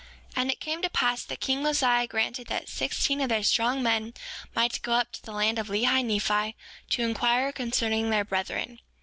7:2 And it came to pass that king Mosiah granted that sixteen of their strong men might go up to the land of Lehi Nephi to inquire concerning their brethren.